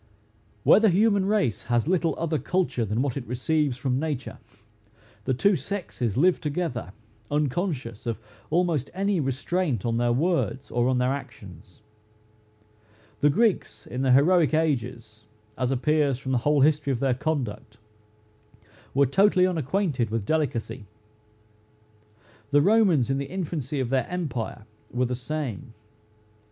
Where the human race has little other culture than what it receives from nature, the two sexes live together, unconscious of almost any restraint on their words or on their actions. The Greeks, in the heroic ages, as appears from the whole history of their conduct, were totally unacquainted with delicacy. The Romans in the infancy of their empire, were the same.